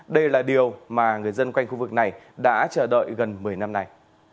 đây là điều mà người dân quanh khu vực này đã chờ đợi gần một mươi năm nay